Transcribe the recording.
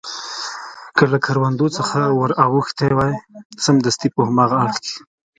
که له کروندو څخه ور اوښتي وای، سمدستي په هاغه اړخ کې.